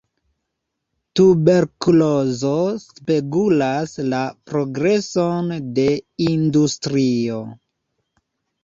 Tuberkulozo spegulas la progreson de industrio.